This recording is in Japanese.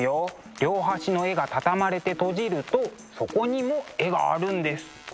両端の絵が畳まれて閉じるとそこにも絵があるんです。